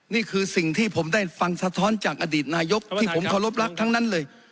นี่คือสิ่งที่ผมได้ฟังสะท้อนจากอดีตนายกที่ผมเคารพรักทั้งนั้นเลย